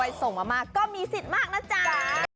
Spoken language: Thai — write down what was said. ขอแสดงความยินดีกับผู้ที่โชคดีได้รับมอเตอร์ไซค์ตั้งวันนี้ด้วยนะครับ